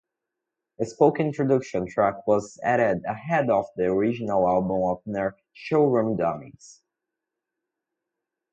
A spoken 'Introduction' track was added ahead of the original album opener "Showroom Dummies".